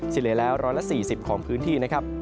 สิ่งเหลือแล้วร้อนละ๔๐ของพื้นที่นะครับ